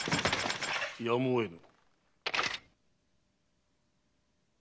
やむを得ぬ。